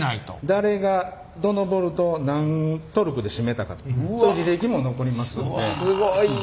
誰がどのボルトを何トルクで締めたかとそういう履歴も残りますので。